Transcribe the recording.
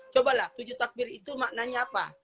cobalah tujuh takbir itu maknanya apa